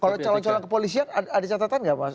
kalau calon calon kepolisian ada catatan nggak mas